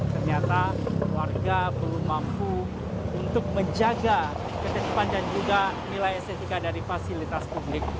ternyata warga belum mampu untuk menjaga ketetipan dan juga nilai estetika dari fasilitas publik